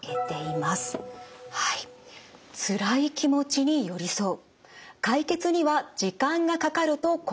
まず「つらい気持ちに寄り添う」。